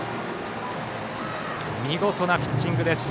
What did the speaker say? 見事なピッチングです。